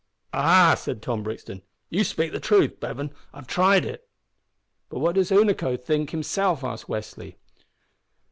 "Ah!" said Tom Brixton, "you speak the truth, Bevan; I have tried it." "But what does Unaco himself think?" asked Westly.